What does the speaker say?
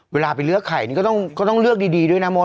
เวลาไปเลือกไข่นี่ก็ต้องเลือกดีด้วยนะมด